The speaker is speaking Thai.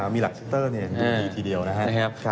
มีหลักซิสเตอร์ดีทีเดียวนะครับ